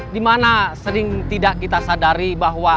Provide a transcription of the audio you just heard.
dimana sering tidak kita sadari bahwa